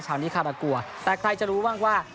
ชาวนี้ข้าประกัวแต่ใครจะรู้บ้างว่า